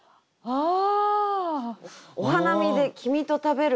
ああ。